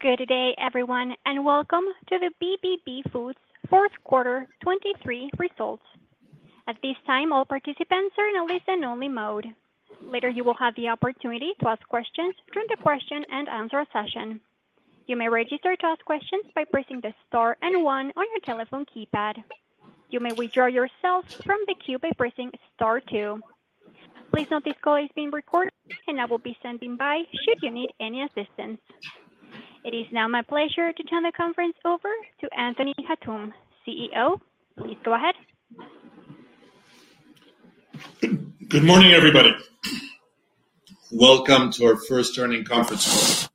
Good day, everyone, and welcome to the BBB Foods fourth quarter 2023 results. At this time, all participants are in a listen-only mode. Later, you will have the opportunity to ask questions during the question and answer session. You may register to ask questions by pressing the star and one on your telephone keypad. You may withdraw yourself from the queue by pressing star two. Please note this call is being recorded, and I will be standing by should you need any assistance. It is now my pleasure to turn the conference over to Anthony Hatoum, CEO. Please go ahead. Good morning, everybody. Welcome to our first earnings conference call.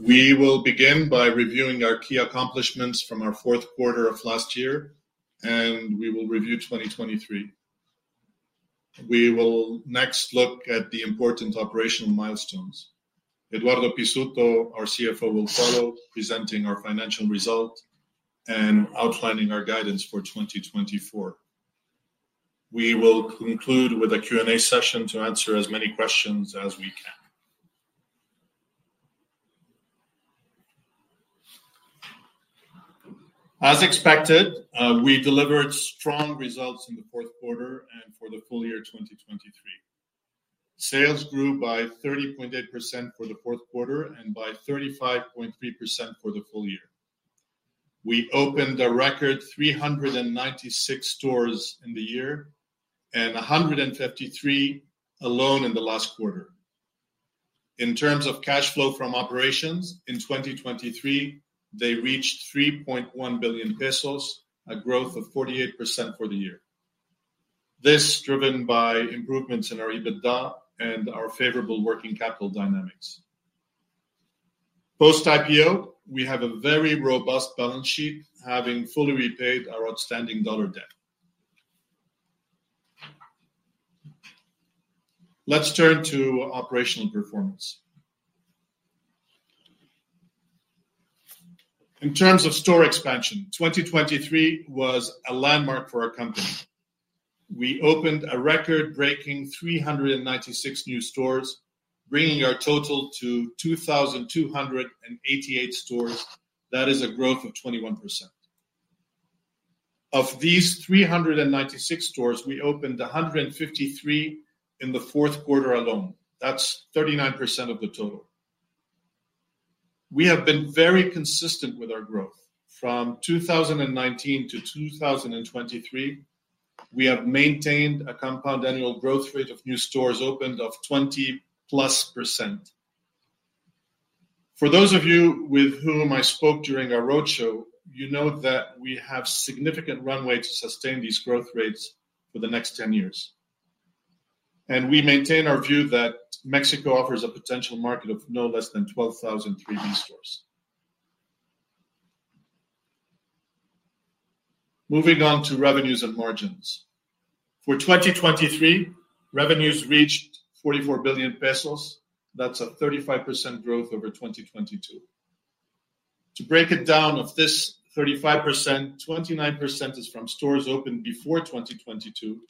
We will begin by reviewing our key accomplishments from our fourth quarter of last year, and we will review 2023. We will next look at the important operational milestones. Eduardo Pizzuto, our CFO, will follow, presenting our financial results and outlining our guidance for 2024. We will conclude with a Q&A session to answer as many questions as we can. As expected, we delivered strong results in the fourth quarter and for the full year 2023. Sales grew by 30.8% for the fourth quarter and by 35.3% for the full year. We opened a record 396 stores in the year and 153 alone in the last quarter. In terms of cash flow from operations, in 2023, they reached 3.1 billion pesos, a growth of 48% for the year. This, driven by improvements in our EBITDA and our favorable working capital dynamics. Post-IPO, we have a very robust balance sheet, having fully repaid our outstanding dollar debt. Let's turn to operational performance. In terms of store expansion, 2023 was a landmark for our company. We opened a record-breaking 396 new stores, bringing our total to 2,288 stores. That is a growth of 21%. Of these 396 stores, we opened 153 in the fourth quarter alone. That's 39% of the total. We have been very consistent with our growth. From 2019 to 2023, we have maintained a compound annual growth rate of new stores opened of 20+%. For those of you with whom I spoke during our roadshow, you know that we have significant runway to sustain these growth rates for the next 10 years, and we maintain our view that Mexico offers a potential market of no less than 12,000 3B stores. Moving on to revenues and margins. For 2023, revenues reached 44 billion pesos. That's a 35% growth over 2022. To break it down, of this 35%, 29% is from stores opened before 2022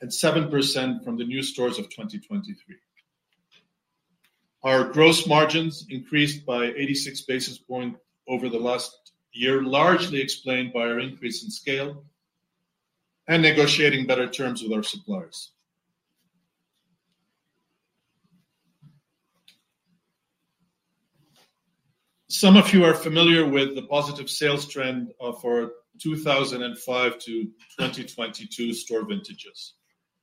and 7% from the new stores of 2023. Our gross margins increased by 86 basis points over the last year, largely explained by our increase in scale and negotiating better terms with our suppliers. Some of you are familiar with the positive sales trend for 2005-2022 store vintages.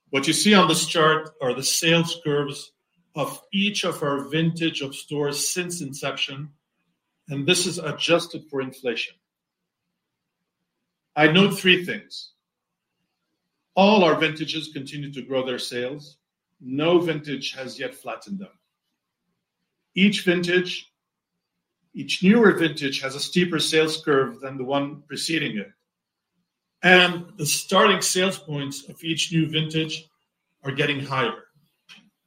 What you see on this chart are the sales curves of each of our vintage of stores since inception, and this is adjusted for inflation. I note three things: All our vintages continue to grow their sales. No vintage has yet flattened out. Each vintage, each newer vintage has a steeper sales curve than the one preceding it, and the starting sales points of each new vintage are getting higher.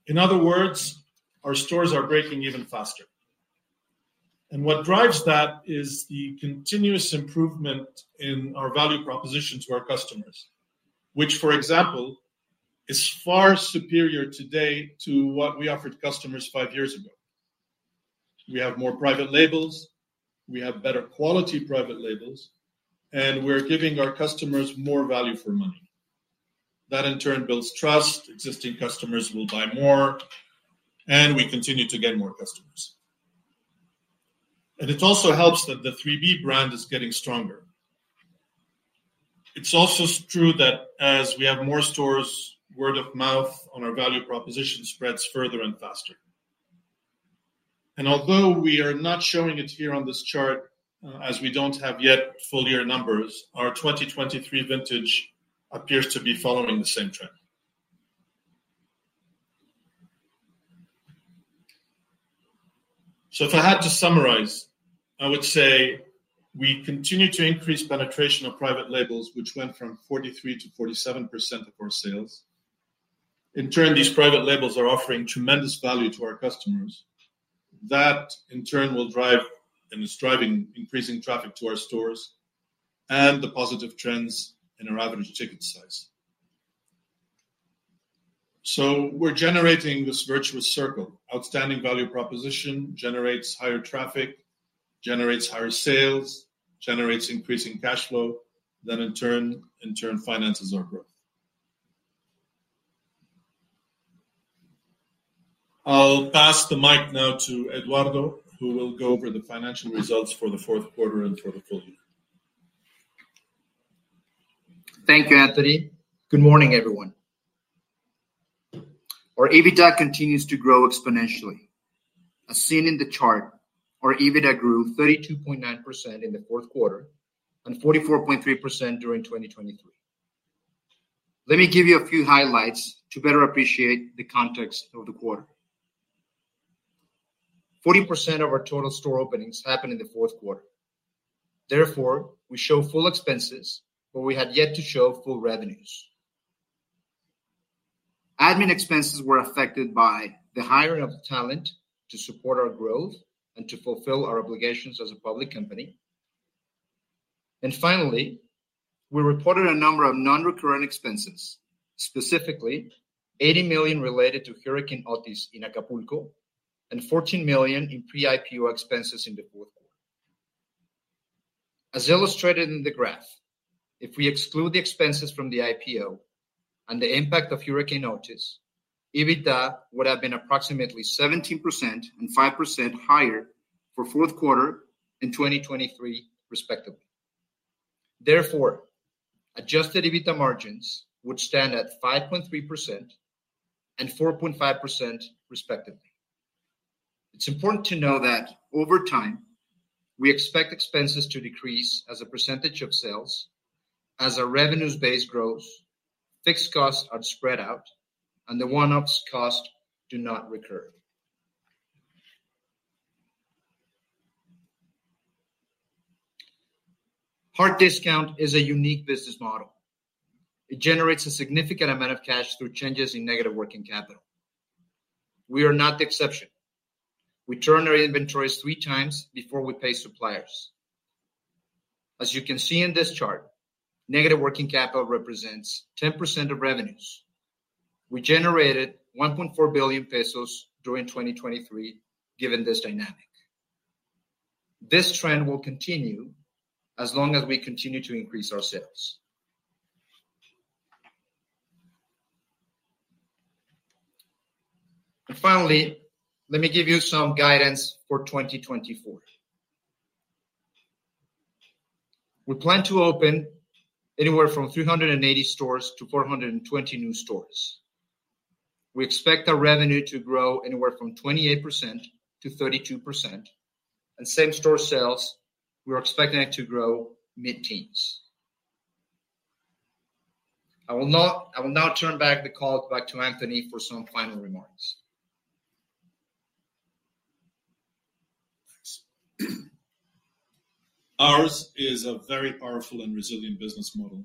In other words, our stores are breaking even faster, and what drives that is the continuous improvement in our value proposition to our customers, which, for example, is far superior today to what we offered customers five years ago. We have more private labels, we have better quality private labels, and we're giving our customers more value for money. That, in turn, builds trust, existing customers will buy more, and we continue to get more customers. And it also helps that the 3B brand is getting stronger. It's also true that as we have more stores, word of mouth on our value proposition spreads further and faster. And although we are not showing it here on this chart, as we don't have yet full year numbers, our 2023 vintage appears to be following the same trend. So if I had to summarize, I would say we continue to increase penetration of private labels, which went from 43%-47% of our sales. In turn, these private labels are offering tremendous value to our customers. That, in turn, will drive, and is driving, increasing traffic to our stores and the positive trends in our average ticket size. So we're generating this virtuous circle. Outstanding value proposition generates higher traffic, generates higher sales, generates increasing cash flow, then in turn, in turn finances our growth. I'll pass the mic now to Eduardo, who will go over the financial results for the fourth quarter and for the full year. Thank you, Anthony. Good morning, everyone. Our EBITDA continues to grow exponentially. As seen in the chart, our EBITDA grew 32.9% in the fourth quarter and 44.3% during 2023. Let me give you a few highlights to better appreciate the context of the quarter. 40% of our total store openings happened in the fourth quarter. Therefore, we show full expenses, but we had yet to show full revenues. Admin expenses were affected by the hiring of talent to support our growth and to fulfill our obligations as a public company. And finally, we reported a number of non-recurrent expenses, specifically, 80 million related to Hurricane Otis in Acapulco and 14 million in pre-IPO expenses in the fourth quarter. As illustrated in the graph, if we exclude the expenses from the IPO and the impact of Hurricane Otis, EBITDA would have been approximately 17% and 5% higher for fourth quarter 2023, respectively. Therefore, adjusted EBITDA margins would stand at 5.3% and 4.5%, respectively. It's important to know that over time, we expect expenses to decrease as a percentage of sales. As our revenues base grows, fixed costs are spread out, and the one-off costs do not recur. Hard Discount is a unique business model. It generates a significant amount of cash through changes in negative working capital. We are not the exception. We turn our inventories 3 times before we pay suppliers. As you can see in this chart, negative working capital represents 10% of revenues. We generated 1.4 billion pesos during 2023, given this dynamic. This trend will continue as long as we continue to increase our sales. Finally, let me give you some guidance for 2024. We plan to open anywhere from 380-420 new stores. We expect our revenue to grow anywhere from 28%-32%, and same-store sales, we are expecting it to grow mid-teens. I will now, I will now turn back the call back to Anthony for some final remarks. Ours is a very powerful and resilient business model,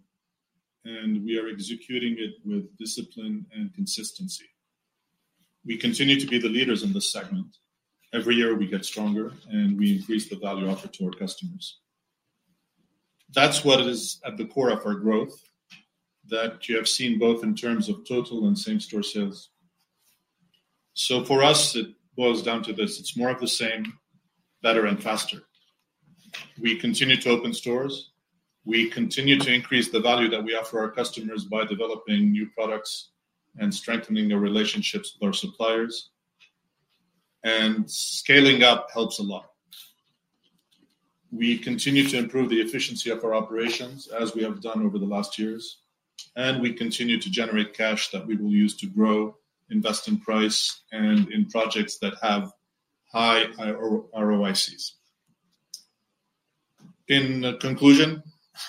and we are executing it with discipline and consistency. We continue to be the leaders in this segment. Every year, we get stronger, and we increase the value offer to our customers. That's what is at the core of our growth that you have seen, both in terms of total and same-store sales. So for us, it boils down to this: It's more of the same, better and faster. We continue to open stores, we continue to increase the value that we offer our customers by developing new products and strengthening the relationships with our suppliers, and scaling up helps a lot. We continue to improve the efficiency of our operations as we have done over the last years, and we continue to generate cash that we will use to grow, invest in price, and in projects that have high ROICs. In conclusion,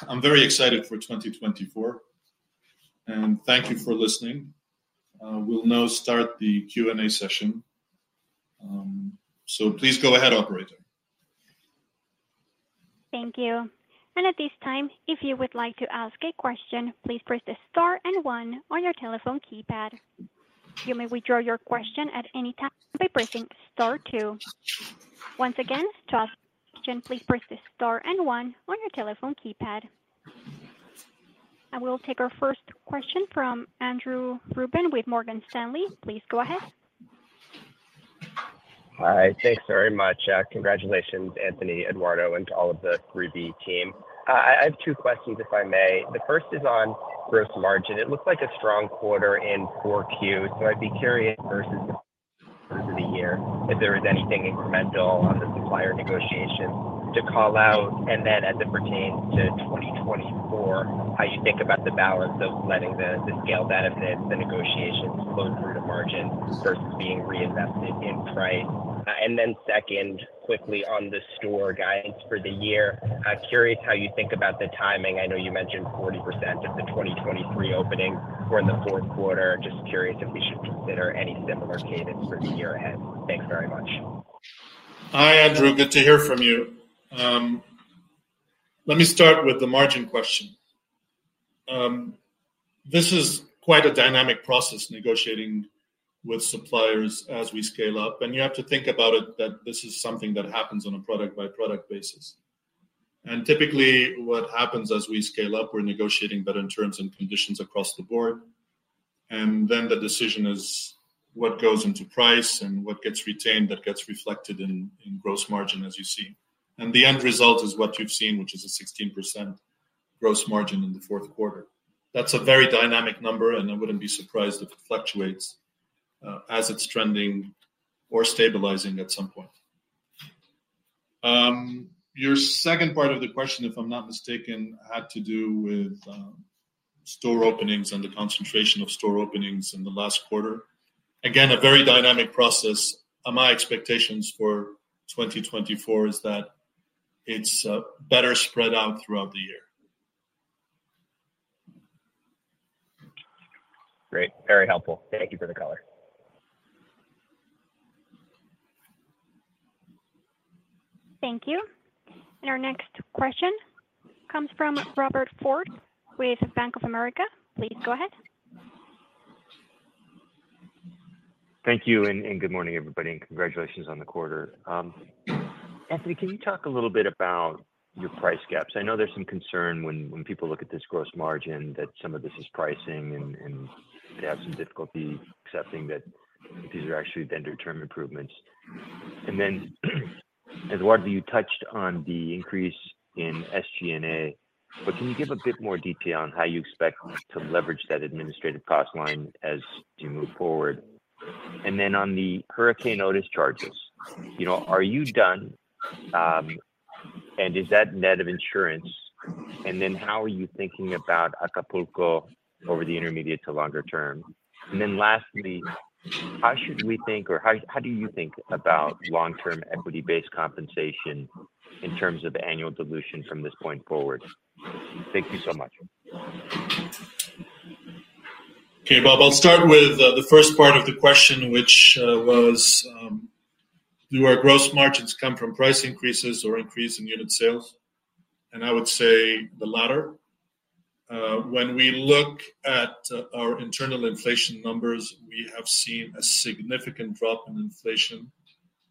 I'm very excited for 2024, and thank you for listening. We'll now start the Q&A session. So please go ahead, operator. Thank you. And at this time, if you would like to ask a question, please press star and one on your telephone keypad. You may withdraw your question at any time by pressing star two. Once again, to ask a question, please press star and one on your telephone keypad. I will take our first question from Andrew Ruben with Morgan Stanley. Please go ahead. Hi. Thanks very much. Congratulations, Anthony, Eduardo, and to all of the BBB team. I have two questions, if I may. The first is on gross margin. It looked like a strong quarter in Q4, so I'd be curious versus the year, if there was anything incremental on the supplier negotiations to call out. And then as it pertains to 2024, how you think about the balance of letting the scale benefits, the negotiations, flow through to margins versus being reinvested in price? And then second, quickly on the store guidance for the year, I'm curious how you think about the timing. I know you mentioned 40% of the 2023 openings were in the fourth quarter. Just curious if we should consider any similar cadence for the year ahead. Thanks very much. Hi, Andrew, good to hear from you. Let me start with the margin question. This is quite a dynamic process, negotiating with suppliers as we scale up, and you have to think about it that this is something that happens on a product-by-product basis. Typically, what happens as we scale up, we're negotiating better terms and conditions across the board. Then the decision is what goes into price and what gets retained, that gets reflected in, in gross margin, as you see. The end result is what you've seen, which is a 16% gross margin in the fourth quarter. That's a very dynamic number, and I wouldn't be surprised if it fluctuates, as it's trending or stabilizing at some point. Your second part of the question, if I'm not mistaken, had to do with store openings and the concentration of store openings in the last quarter. Again, a very dynamic process. My expectations for 2024 is that it's better spread out throughout the year. Great, very helpful. Thank you for the color. Thank you. Our next question comes from Robert Ford with Bank of America. Please go ahead. Thank you, and good morning, everybody, and congratulations on the quarter. Anthony, can you talk a little bit about your price gaps? I know there's some concern when people look at this gross margin, that some of this is pricing and they have some difficulty accepting that these are actually vendor term improvements. And then, Eduardo, you touched on the increase in SG&A, but can you give a bit more detail on how you expect to leverage that administrative cost line as you move forward? And then on the hurricane Otis charges, you know, are you done? And is that net of insurance? And then how are you thinking about Acapulco over the intermediate to longer term? And then lastly, how should we think or how do you think about long-term equity-based compensation in terms of annual dilution from this point forward? Thank you so much. Okay, Bob, I'll start with the first part of the question, which was: Do our gross margins come from price increases or increase in unit sales? And I would say the latter. When we look at our internal inflation numbers, we have seen a significant drop in inflation,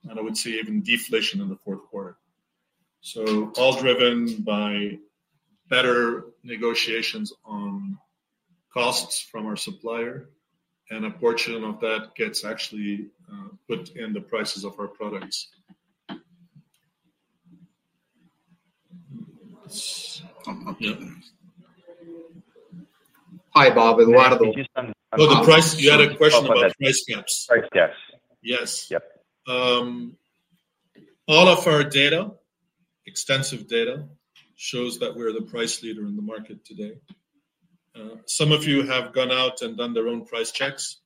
and I would say even deflation in the fourth quarter. So all driven by better negotiations on costs from our supplier, and a portion of that gets actually put in the prices of our products. Yeah. Hi, Bob, Eduardo- Oh, the price. You had a question about price gaps. Price gaps. Yes. Yep. All of our data, extensive data, shows that we're the price leader in the market today. Some of you have gone out and done their own price checks,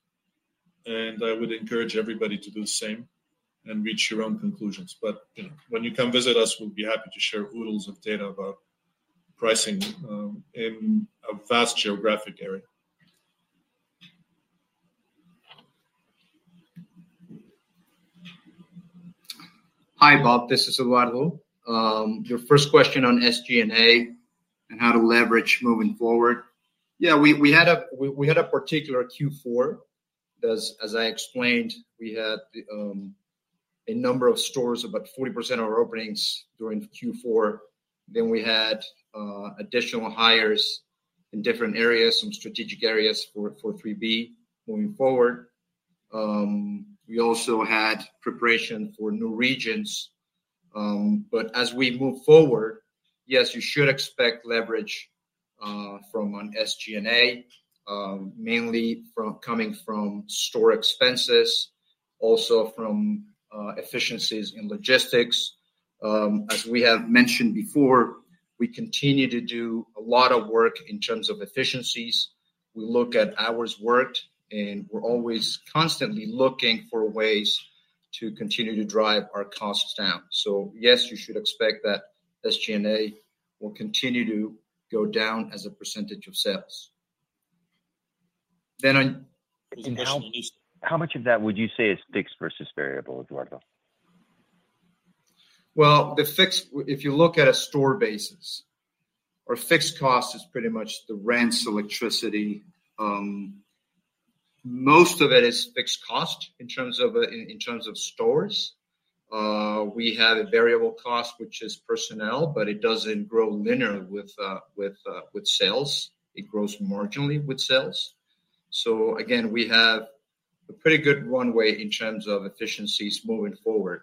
and I would encourage everybody to do the same and reach your own conclusions. But, you know, when you come visit us, we'll be happy to share oodles of data about pricing, in a vast geographic area. Hi, Bob, this is Eduardo. Your first question on SGNA and how to leverage moving forward. Yeah, we had a particular Q4, as I explained, we had a number of stores, about 40% of our openings during Q4. Then we had additional hires in different areas, some strategic areas for 3B moving forward. We also had preparation for new regions. But as we move forward, yes, you should expect leverage from on SGNA, mainly from coming from store expenses, also from efficiencies in logistics. As we have mentioned before, we continue to do a lot of work in terms of efficiencies. We look at hours worked, and we're always constantly looking for ways to continue to drive our costs down. So yes, you should expect that SG&A will continue to go down as a percentage of sales. Then on- How much of that would you say is fixed versus variable, Eduardo? Well, the fixed, if you look at a store basis, our fixed cost is pretty much the rents, electricity. Most of it is fixed cost in terms of stores. We have a variable cost, which is personnel, but it doesn't grow linear with sales. It grows marginally with sales. So again, we have a pretty good runway in terms of efficiencies moving forward.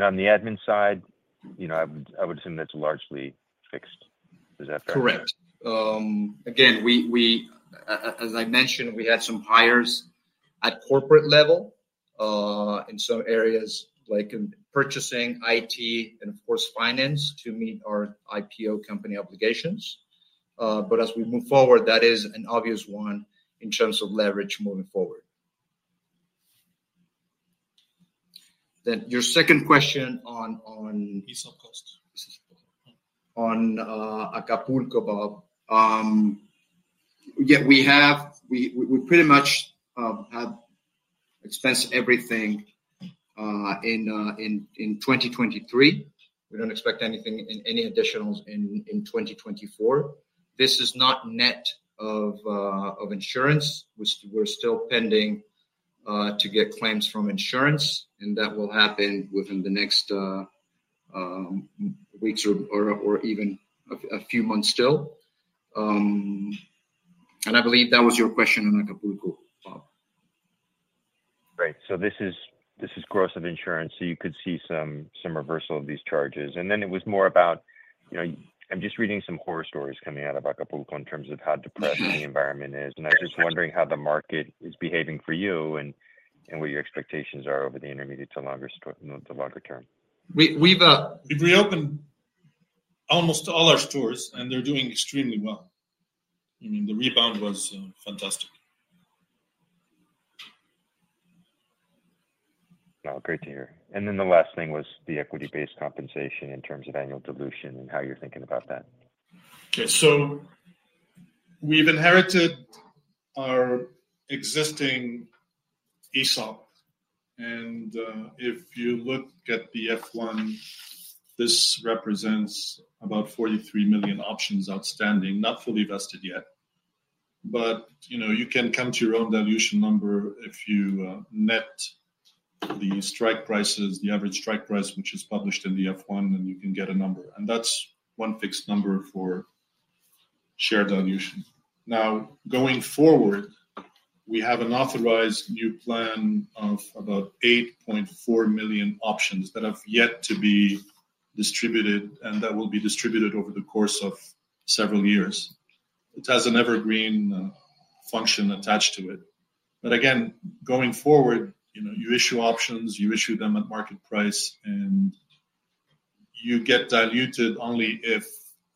On the admin side, you know, I would assume that's largely fixed. Is that fair? Correct. Again, as I mentioned, we had some hires at corporate level, in some areas, like in purchasing, IT, and of course, finance, to meet our IPO company obligations. But as we move forward, that is an obvious one in terms of leverage moving forward. Then your second question on- East Coast On Acapulco, Bob. Yeah, we pretty much have expensed everything in 2023.... We don't expect anything, any additionals in 2024. This is not net of insurance, which we're still pending to get claims from insurance, and that will happen within the next weeks or even a few months still. And I believe that was your question on Acapulco, Bob. Great. So this is, this is gross of insurance, so you could see some reversal of these charges. And then it was more about, you know, I'm just reading some horror stories coming out of Acapulco in terms of how depressed the environment is, and I'm just wondering how the market is behaving for you and what your expectations are over the intermediate to the longer term. We've We've reopened almost all our stores, and they're doing extremely well. I mean, the rebound was fantastic. Oh, great to hear. And then the last thing was the equity-based compensation in terms of annual dilution and how you're thinking about that. Okay. So we've inherited our existing ESOP, and if you look at the F-1, this represents about 43 million options outstanding, not fully vested yet. But, you know, you can come to your own dilution number if you net the strike prices, the average strike price, which is published in the F-1, and you can get a number, and that's one fixed number for share dilution. Now, going forward, we have an authorized new plan of about 8.4 million options that have yet to be distributed and that will be distributed over the course of several years. It has an evergreen function attached to it. But again, going forward, you know, you issue options, you issue them at market price, and you get diluted only if,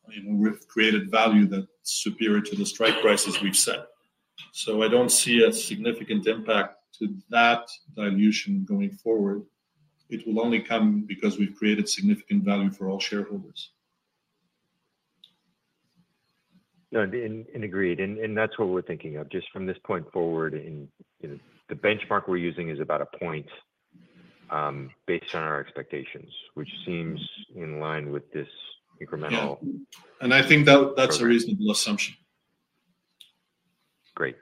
you know, we've created value that's superior to the strike prices we've set. So I don't see a significant impact to that dilution going forward. It will only come because we've created significant value for all shareholders. No, agreed, that's what we're thinking of, just from this point forward, you know, the benchmark we're using is about a point, based on our expectations, which seems in line with this incremental- Yeah, and I think that- Okay that's a reasonable assumption. Great.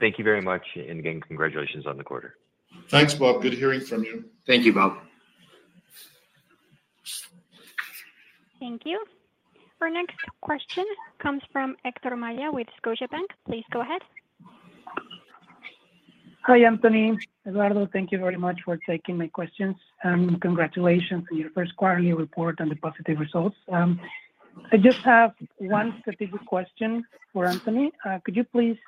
Thank you very much, and again, congratulations on the quarter. Thanks, Bob. Good hearing from you. Thank you, Bob. Thank you. Our next question comes from Héctor Maya with Scotiabank. Please go ahead. Hi, Anthony. Eduardo, thank you very much for taking my questions, and congratulations on your first quarterly report and the positive results. I just have one strategic question for Anthony. Could you please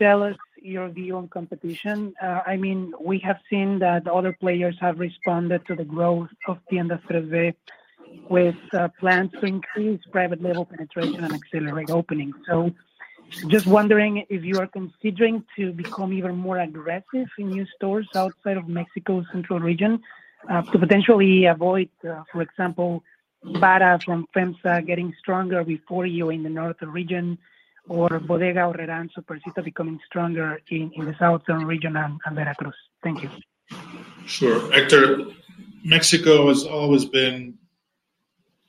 tell us your view on competition? I mean, we have seen that other players have responded to the growth of Tiendas 3B with plans to increase private label penetration and accelerate opening. So just wondering if you are considering to become even more aggressive in new stores outside of Mexico's central region, to potentially avoid, for example, Bara from FEMSA getting stronger before you in the northern region or Bodega Aurrerá Supermercados becoming stronger in the southern region and Veracruz. Thank you. Sure. Hector, Mexico has always been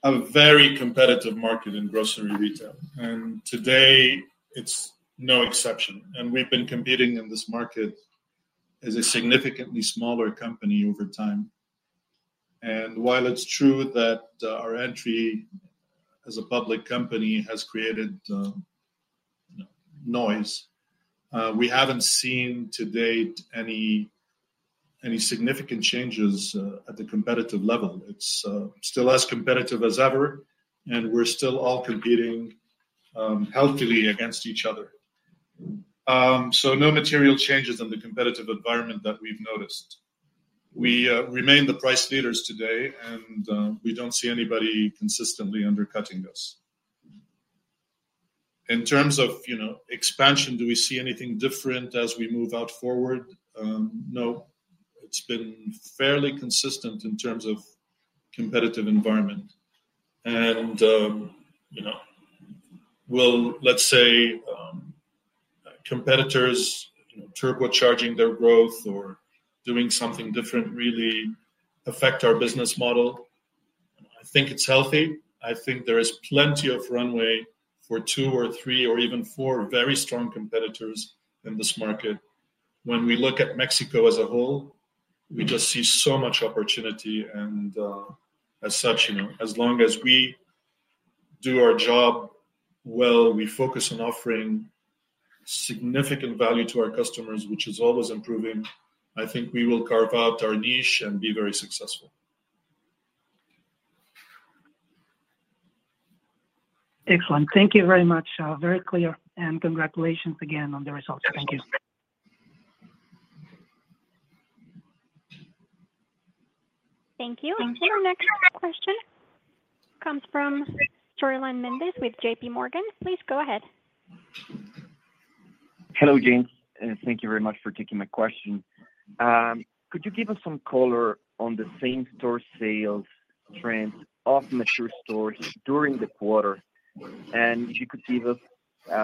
a very competitive market in grocery retail, and today it's no exception. We've been competing in this market as a significantly smaller company over time. While it's true that our entry as a public company has created noise, we haven't seen to date any significant changes at the competitive level. It's still as competitive as ever, and we're still all competing healthily against each other. So no material changes in the competitive environment that we've noticed. We remain the price leaders today, and we don't see anybody consistently undercutting us. In terms of, you know, expansion, do we see anything different as we move out forward? No, it's been fairly consistent in terms of competitive environment. You know, will, let's say, competitors, you know, turbocharging their growth or doing something different really affect our business model? I think it's healthy. I think there is plenty of runway for two or three or even four very strong competitors in this market. When we look at Mexico as a whole, we just see so much opportunity, and, as such, you know, as long as we do our job well, we focus on offering significant value to our customers, which is always improving, I think we will carve out our niche and be very successful. Excellent. Thank you very much. Very clear, and congratulations again on the results. Thank you. Thank you. Thank you. Our next question comes from Froylan Mendez with J.P. Morgan. Please go ahead. Hello, James, and thank you very much for taking my question. Could you give us some color on the same-store sales trends of mature stores during the quarter? And if you could give us-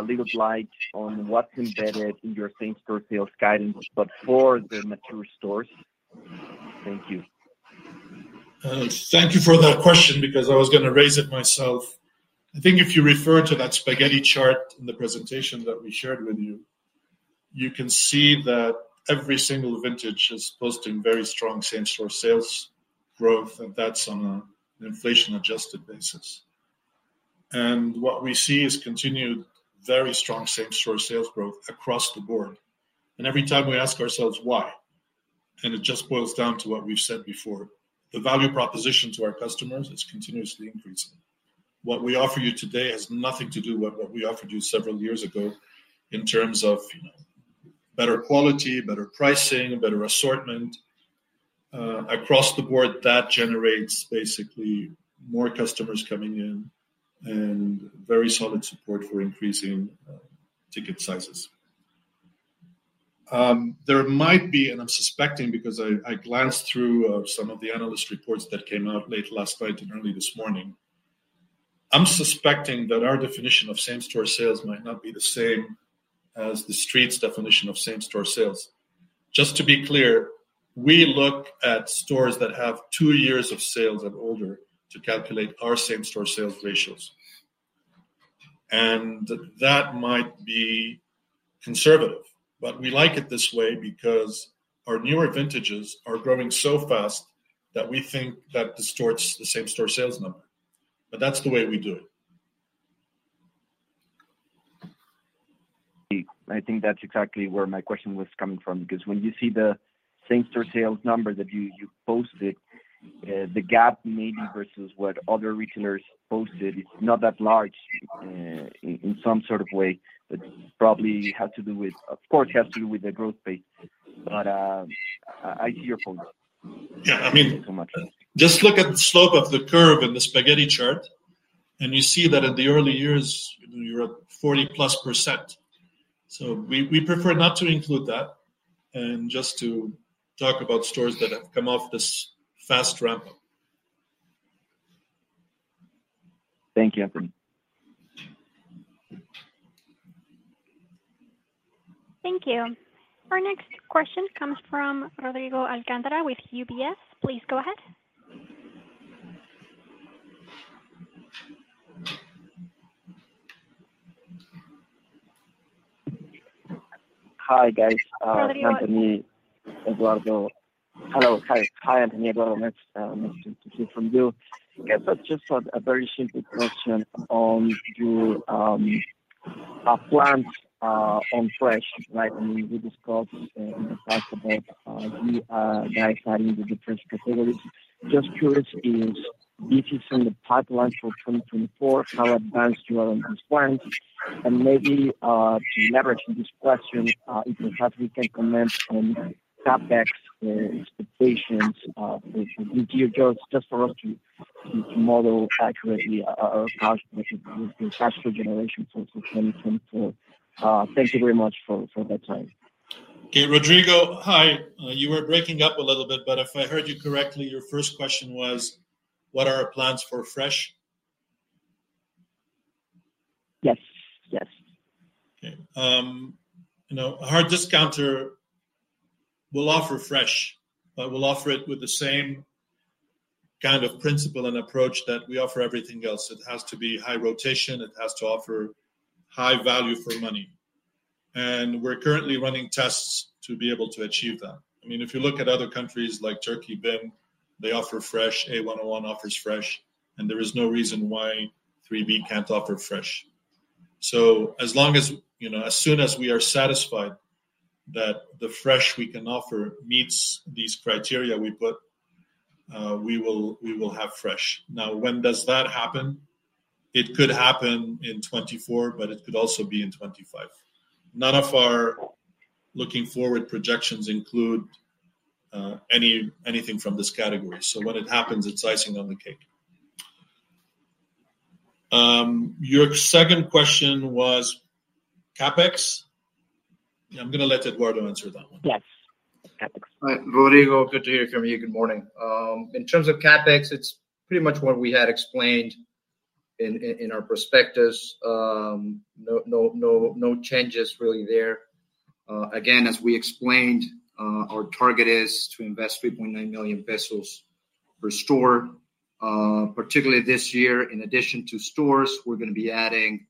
little light on what's embedded in your same-store sales guidance, but for the mature stores. Thank you. Thank you for that question because I was gonna raise it myself. I think if you refer to that spaghetti chart in the presentation that we shared with you, you can see that every single vintage is posting very strong same-store sales growth, and that's on a inflation adjusted basis. What we see is continued very strong same-store sales growth across the board, and every time we ask ourselves, why? It just boils down to what we've said before. The value proposition to our customers is continuously increasing. What we offer you today has nothing to do with what we offered you several years ago in terms of, you know, better quality, better pricing, better assortment. Across the board, that generates basically more customers coming in and very solid support for increasing ticket sizes. There might be, and I'm suspecting because I glanced through some of the analyst reports that came out late last night and early this morning. I'm suspecting that our definition of same-store sales might not be the same as the street's definition of same-store sales. Just to be clear, we look at stores that have two years of sales and older to calculate our same-store sales ratios. That might be conservative, but we like it this way because our newer vintages are growing so fast that we think that distorts the same-store sales number. That's the way we do it. I think that's exactly where my question was coming from, because when you see the same-store sales number that you posted, the gap maybe versus what other retailers posted, it's not that large, in some sort of way. It probably has to do with... Of course, it has to do with the growth rate, but, I hear you. Yeah, I mean- Thank you so much. Just look at the slope of the curve in the spaghetti chart, and you see that in the early years, you're at 40+%. So we, we prefer not to include that and just to talk about stores that have come off this fast ramp. Thank you, Anthony. Thank you. Our next question comes from Rodrigo Alcantara with UBS. Please go ahead. Hi, guys. Rodrigo. Anthony, Eduardo. Hello. Hi. Hi, Anthony, Eduardo. Nice to hear from you. Yes, but just a very simple question on your plans on fresh, right? I mean, we discussed in the past about you guys adding the different categories. Just curious, is this in the pipeline for 2024, how advanced you are on this plan? And maybe, to leverage this question, if you perhaps we can comment on CapEx expectations, if you just for us to model accurately our generation for 2024. Thank you very much for that time. Okay, Rodrigo, hi. You were breaking up a little bit, but if I heard you correctly, your first question was, what are our plans for fresh? Yes. Yes. Okay. You know, a hard discounter will offer fresh, but we'll offer it with the same kind of principle and approach that we offer everything else. It has to be high rotation, it has to offer high value for money, and we're currently running tests to be able to achieve that. I mean, if you look at other countries like Turkey, BİM, they offer fresh, A101 offers fresh, and there is no reason why 3B can't offer fresh. So as long as, you know, as soon as we are satisfied that the fresh we can offer meets these criteria we put, we will have fresh. Now, when does that happen? It could happen in 2024, but it could also be in 2025. None of our looking forward projections include anything from this category. So when it happens, it's icing on the cake. Your second question was CapEx? I'm gonna let Eduardo answer that one. Yes, CapEx. Hi, Rodrigo, good to hear from you. Good morning. In terms of CapEx, it's pretty much what we had explained in our prospectus. No, no, no, no changes really there. Again, as we explained, our target is to invest 3.9 million pesos per store, particularly this year. In addition to stores, we're gonna be adding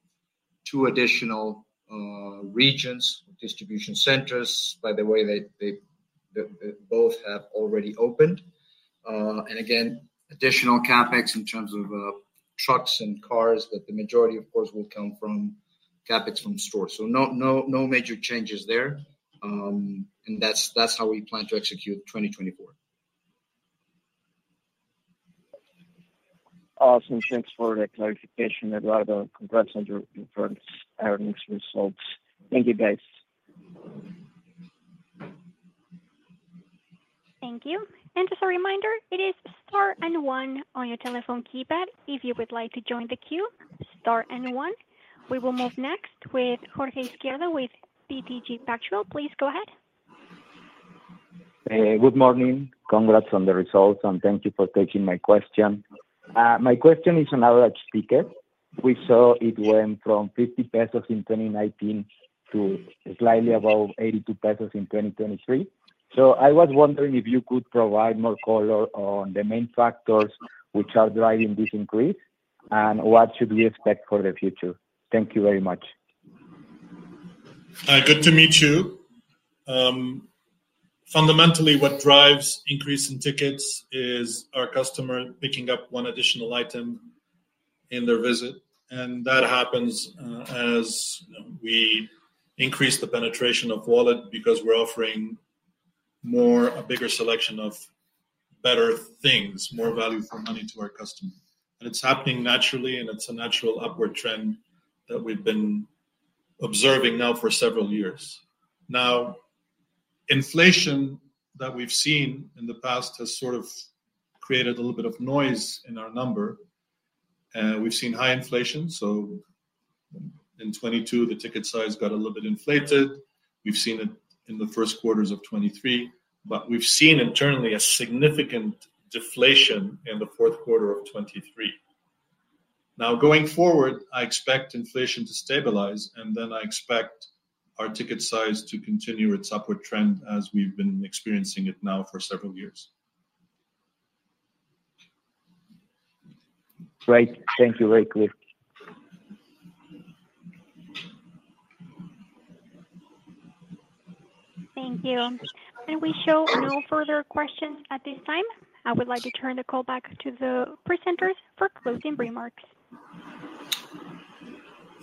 two additional regions, distribution centers. By the way, they both have already opened. And again, additional CapEx in terms of trucks and cars, that the majority, of course, will come from CapEx from the store. So no, no, no major changes there, and that's how we plan to execute 2024. Awesome. Thanks for the clarification, Eduardo. Congrats on your earnings results. Thank you, guys. Thank you. And just a reminder, it is star and one on your telephone keypad if you would like to join the queue, star and one. We will move next with Jorge Izquierdo with BTG Pactual. Please go ahead. Good morning. Congrats on the results, and thank you for taking my question. My question is on average ticket. We saw it went from 50 pesos in 2019 to slightly above 82 pesos in 2023. So I was wondering if you could provide more color on the main factors which are driving this increase, and what should we expect for the future? Thank you very much. Good to meet you. Fundamentally, what drives increase in tickets is our customer picking up one additional item in their visit, and that happens, as we increase the penetration of wallet because we're offering more, a bigger selection of better things, more value for money to our customer. And it's happening naturally, and it's a natural upward trend that we've been observing now for several years. Now, inflation that we've seen in the past has sort of created a little bit of noise in our number. We've seen high inflation, so in 2022, the ticket size got a little bit inflated. We've seen it in the first quarters of 2023, but we've seen internally a significant deflation in the fourth quarter of 2023. Now, going forward, I expect inflation to stabilize, and then I expect our ticket size to continue its upward trend as we've been experiencing it now for several years. Great. Thank you. Very clear. Thank you. We show no further questions at this time. I would like to turn the call back to the presenters for closing remarks.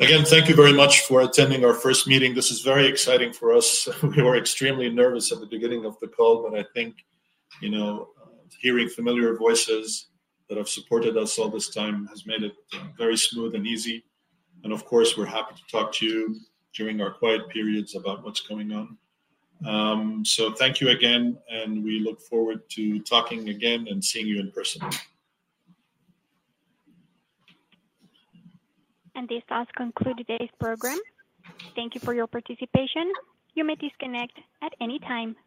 Again, thank you very much for attending our first meeting. This is very exciting for us. We were extremely nervous at the beginning of the call, but I think, you know, hearing familiar voices that have supported us all this time has made it very smooth and easy. And of course, we're happy to talk to you during our quiet periods about what's going on. So thank you again, and we look forward to talking again and seeing you in person. This does conclude today's program. Thank you for your participation. You may disconnect at any time.